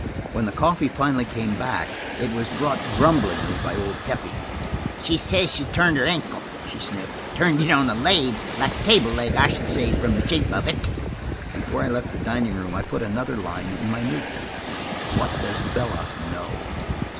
When the coffee finally came back it was brought grumblingly by old Heppie. "She says she's turned her ankle," she sniffed. "Turned it on a lathe, like a table leg, I should say, from the shape of it." Before I left the dining room I put another line in my notebook: "What does Bella know?"